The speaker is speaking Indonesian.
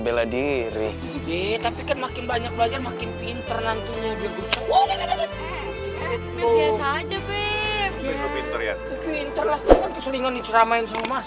bela diri deh tapi kan makin banyak belajar makin pinter nantinya bekerja woi biasa aja